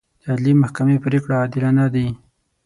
د عدلي محکمې پرېکړې عادلانه دي.